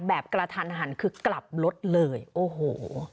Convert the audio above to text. กระทันหันคือกลับรถเลยโอ้โห